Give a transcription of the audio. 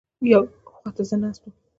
یوې خوا ته زه ناست وم.